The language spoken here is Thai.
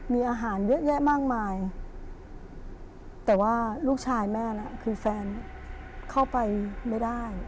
มีอาหารเยอะแยะมากมายแต่ว่าลูกชายแม่น่ะคือแฟนเข้าไปไม่ได้